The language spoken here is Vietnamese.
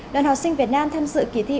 đoàn học sinh việt nam tham dự kỳ thi